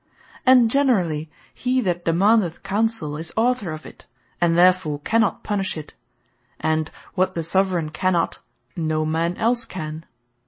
And generally he that demandeth Counsell, is Author of it; and therefore cannot punish it; and what the Soveraign cannot, no man else can.